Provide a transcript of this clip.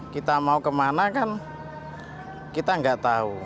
kita mau kemana kan kita nggak tahu